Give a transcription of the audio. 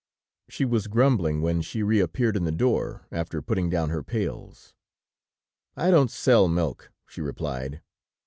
She was grumbling when she reappeared in the door, after putting down her pails. "I don't sell milk," she replied.